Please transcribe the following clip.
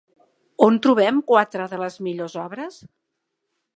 On trobem quatre de les millors obres?